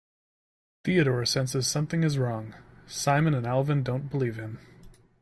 Theodore senses something is wrong; Simon and Alvin don't believe him.